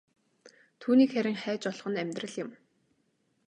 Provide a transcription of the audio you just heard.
Түүнийг харин хайж олох нь амьдрал юм.